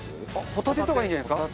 ホタテとかいいんじゃないですか。